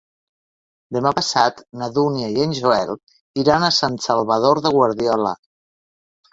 Demà passat na Dúnia i en Joel iran a Sant Salvador de Guardiola.